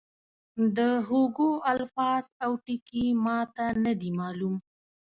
د هوګو الفاظ او ټکي ما ته نه دي معلوم.